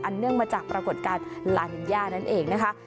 เนื่องมาจากปรากฏการณ์ลานิญญานั่นเองนะคะ